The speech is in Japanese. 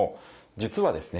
実はですね